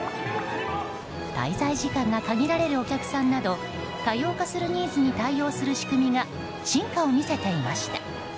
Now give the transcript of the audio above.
滞在時間が限られるお客さんなど多様化するニーズに対応する仕組みが進化を見せていました。